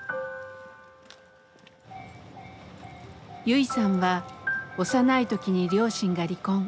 ユイさんは幼い時に両親が離婚。